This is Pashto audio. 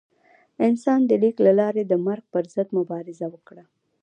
انسان د لیک له لارې د مرګ پر ضد مبارزه وکړه.